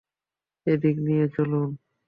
এদিক দিয়ে চলুন।